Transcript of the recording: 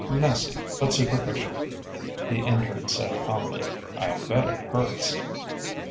"Messy but superficial," the intern said calmly. "I'll bet it hurts."